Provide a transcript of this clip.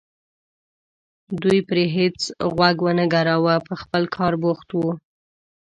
دوی پرې هېڅ غوږ ونه ګراوه په خپل کار بوخت وو.